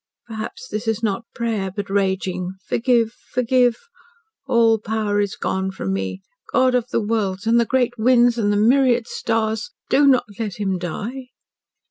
Perhaps this is not prayer, but raging. Forgive forgive! All power is gone from me. God of the worlds, and the great winds, and the myriad stars do not let him die!"